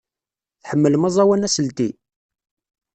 Tḥemmlem aẓawan aselti?